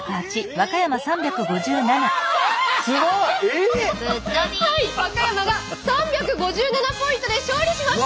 和歌山が３５７ポイントで勝利しました！